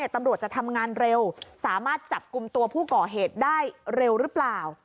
ตำรวจจะทำงานเร็วสามารถจับกลุ่มตัวผู้ก่อเหตุได้เร็วหรือเปล่า